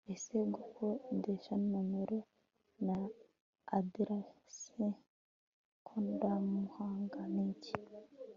ese gukodesha nomero na aderesi koranabuhanga ni iki